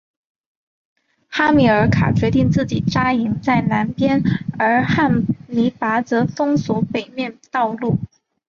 哈米尔卡决定自己扎营在南边而汉尼拔则封锁北面道路。